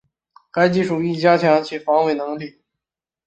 该技术亦加强其防伪能力。